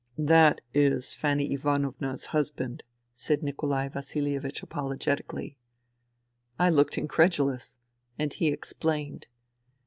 " That is Fanny Ivanovna' s husband," said Nikolai Vasilievich apologetically. I looked incredulous, and he explained.